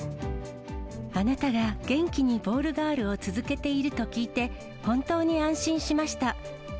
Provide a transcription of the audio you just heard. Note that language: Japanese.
あなたが元気にボールガールを続けていると聞いて、本当に安心しました。